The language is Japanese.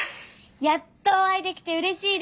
やっとお会いできてうれしいです。